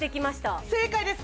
正解です